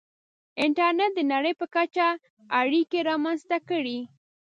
• انټرنېټ د نړۍ په کچه اړیکې رامنځته کړې.